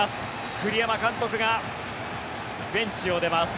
栗山監督がベンチを出ます。